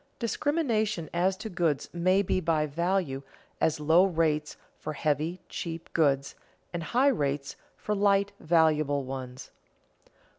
Discrimination as to goods may be by value, as low rates for heavy, cheap goods and high rates for lighter, valuable ones.